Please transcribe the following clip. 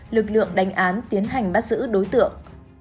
lực lượng đánh án tiến hành bắt giữ đối tượng